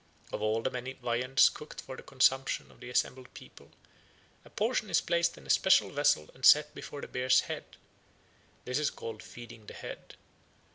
Of all the many viands cooked for the consumption of the assembled people a portion is placed in a special vessel and set before the bear's head: this is called "feeding the head."